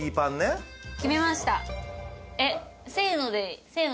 決めました。